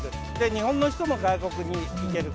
日本の人も外国に行ける。